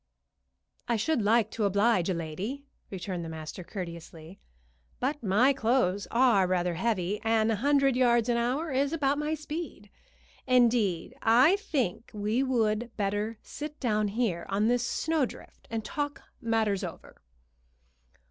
"I should like to oblige a lady," returned the master, courteously, "but my clothes are rather heavy, and a hundred yards an hour is about my speed. Indeed, I think we would better sit down here on this snowdrift, and talk matters over."